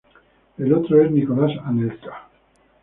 El otro es Nicolas Anelka.